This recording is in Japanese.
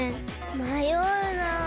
まような。